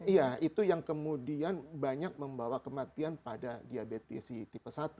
iya itu yang kemudian banyak membawa kematian pada diabetes si tipe satu